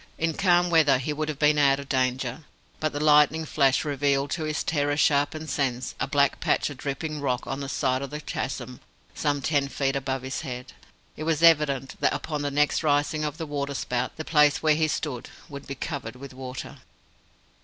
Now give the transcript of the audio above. In calm weather he would have been out of danger, but the lightning flash revealed to his terror sharpened sense a black patch of dripping rock on the side of the chasm some ten feet above his head. It was evident that upon the next rising of the water spout the place where he stood would be covered with water.